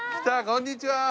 こんにちは。